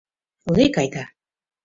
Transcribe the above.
— Лек айда.